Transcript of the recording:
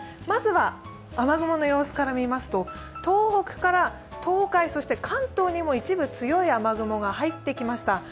まずは雨雲の様子から見ますと東北から東海、関東にも一部強い雨雲が入ってきました。